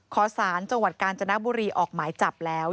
ขอสารจังหวัดกาญจนบุรีออกหมายจับแล้ว